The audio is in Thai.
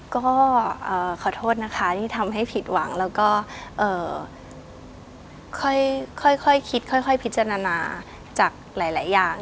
ก็ขอโทษนะคะที่ทำให้ผิดหวังแล้วก็ค่อยคิดค่อยพิจารณาจากหลายอย่าง